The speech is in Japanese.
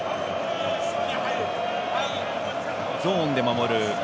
ゾーンで守る。